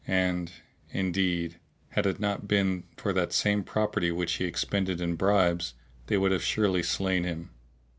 And, indeed, had it not been for that same property which he expended in bribes, they would have surely slain him.